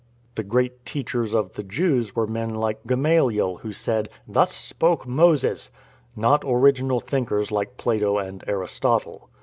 The great teachers of the Jews were men like Gamaliel, who said, " Thus spoke Moses "; not original thinkers like Plato and Aristotle.